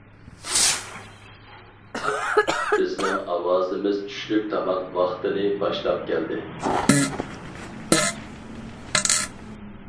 بىزنىڭ ئاۋازىمىز چۈشلۈك تاماق ۋاقتىنى باشلاپ كەلدى.